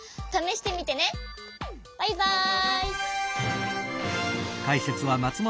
バイバイ！